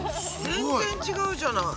全然違うじゃない。